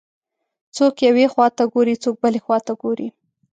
څوک یوې خواته ګوري، څوک بلې خواته ګوري.